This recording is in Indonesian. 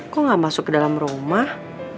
kau enggak masuk ke dalam rumah